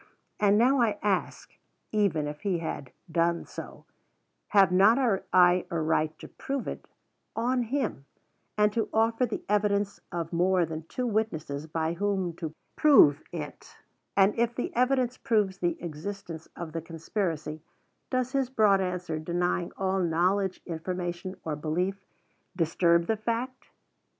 And now, I ask, even if he had done so, have not I a right to prove it on him, and to offer the evidence of more than two witnesses, by whom to prove it; and if the evidence proves the existence of the conspiracy, does his broad answer denying all knowledge, information, or belief, disturb the fact?